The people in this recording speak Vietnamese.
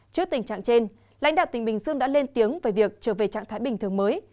trước tình trạng trên lãnh đạo tỉnh bình dương đã lên tiếng về việc trở về trạng thái bình thường mới